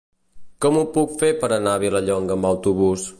Com ho puc fer per anar a Vilallonga amb autobús?